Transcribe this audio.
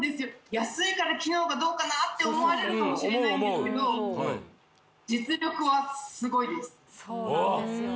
安いから機能がどうかなって思われるかもしれないんですけど実力はすごいですそうなんですよ